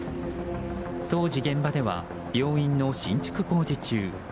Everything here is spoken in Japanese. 当時現場では病院の新築工事中。